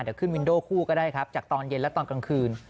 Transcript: เดี๋ยวขึ้นวินโด่คู่ก็ได้ครับจากตอนเย็นและตอนกลางคืน